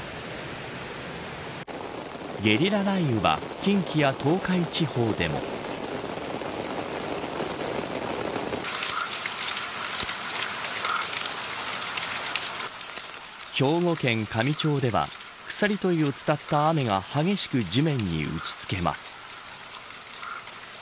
ゲリラ雷雨は近畿や東海地方でも。兵庫県香美町では鎖といをつたった雨が激しく地面に打ち付けます。